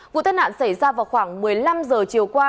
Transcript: vụ tai nạn xảy ra vào khoảng một mươi năm giờ chiều qua